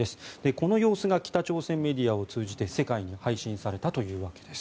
この様子が北朝鮮メディアを通じて世界に配信されたというわけです。